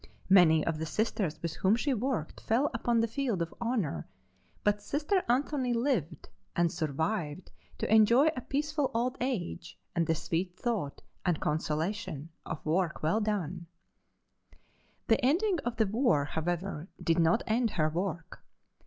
Many of the Sisters with whom she worked fell upon the field of honor, but Sister Anthony lived and survived to enjoy a peaceful old age and the sweet thought and consolation of work well done. The ending of the war, however, did not end her work.